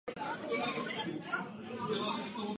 Kde bychom byli bez Evropské centrální banky?